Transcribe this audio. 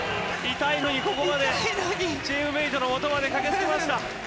痛いのにここまで、チームメートのもとまで駆けつけました。